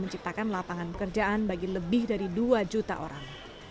menciptakan lapangan pekerjaan bagi lebih dari dua juta orang